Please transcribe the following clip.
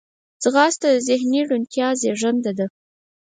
ځغاسته د ذهني روڼتیا زیږنده ده